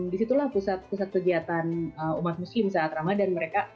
disitulah pusat pusat kegiatan umat muslim saat ramadan mereka